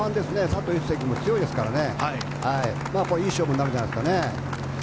佐藤一世君も強いですからいい勝負になるんじゃないですかね。